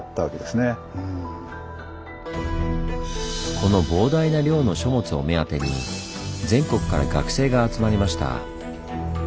この膨大な量の書物を目当てに全国から学生が集まりました。